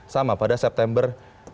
sama pada september dua ribu delapan belas